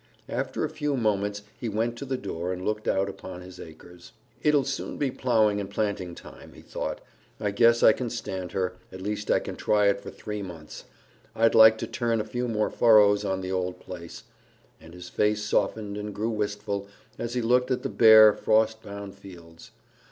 After a few moments he went to the door and looked out upon his acres. "It'll soon be plowing and planting time," he thought. "I guess I can stand her at least I can try it for three months. I'd like to turn a few more furrows on the old place," and his face softened and grew wistful as he looked at the bare, frost bound fields.